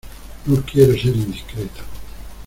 no quiero ser indiscreto